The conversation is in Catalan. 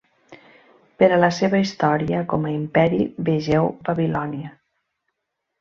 Per a la seva història com a imperi vegeu Babilònia.